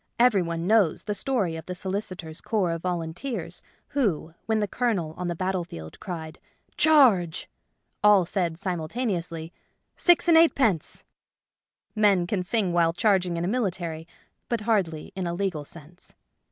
Every one knows the story of the solicitors' corps of volunteers who, when the Colonel on the battle field cried, '* Charge !" all said simul [no J The Little Birds Who Won't Sing taneously, " Six and eightpence." Men can sing while charging in a military, but hardly in a legal sense.